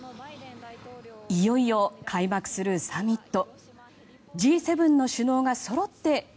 いよいよ開幕するサミット。